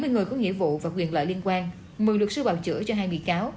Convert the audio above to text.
bảy mươi người có nghĩa vụ và quyền lợi liên quan một mươi lực sư bào chữa cho hai bị cáo